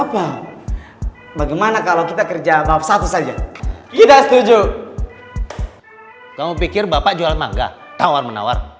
apa bagaimana kalau kita kerja maaf satu saja tidak setuju kamu pikir bapak jual mangga tawar menawar